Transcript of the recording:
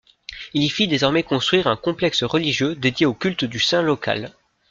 Il y fit désormais construire un complexe religieux dédié au culte du saint local.